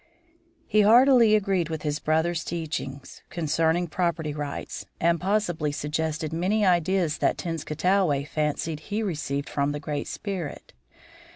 He heartily agreed with his brother's teachings concerning property rights, and possibly suggested many ideas that Tenskwatawa fancied he received from the Great Spirit.